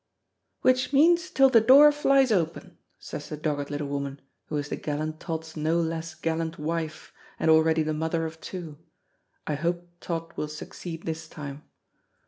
"Which means till the door flies open," says the dogged little woman, who is the gallant Tod's no less gallant wife, and already the mother of two. I hope Tod will succeed this time.